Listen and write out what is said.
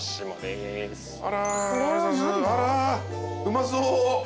うまそう！